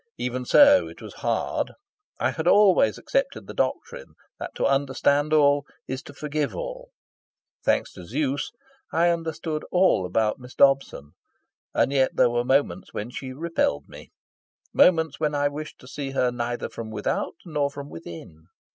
Even so, it was hard. I had always accepted the doctrine that to understand all is to forgive all. Thanks to Zeus, I understood all about Miss Dobson, and yet there were moments when she repelled me moments when I wished to see her neither from without nor from within.